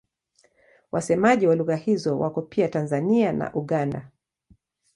Wasemaji wa lugha hizo wako pia Tanzania na Uganda.